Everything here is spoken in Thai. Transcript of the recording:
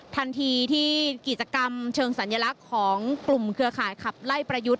ทันทีที่กิจกรรมเชิงสัญลักษณ์ของกลุ่มเครือข่ายขับไล่ประยุทธ์